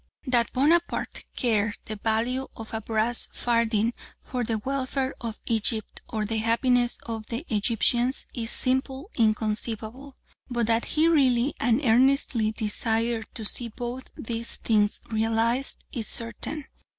That Bonaparte cared the value of a brass farthing for the welfare of Egypt or the happiness of the Egyptians is simply inconceivable, but that he really and earnestly desired to see both these things realised is certain.